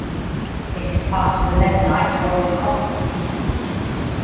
It is part of the Mennonite World Conference.